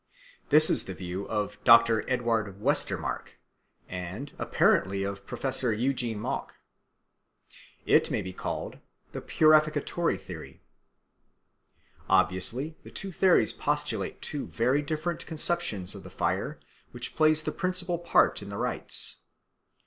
This is the view of Dr. Edward Westermarck and apparently of Professor Eugen Mogk. It may be called the purificatory theory. Obviously the two theories postulate two very different conceptions of the fire which plays the principal part in the rites.